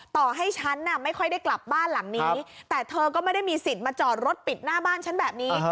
ต่อให้ฉันน่ะไม่ค่อยได้กลับบ้านหลังนี้แต่เธอก็ไม่ได้มีสิทธิ์มาจอดรถปิดหน้าบ้านฉันแบบนี้